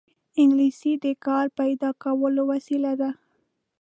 انګلیسي د کار پیدا کولو وسیله ده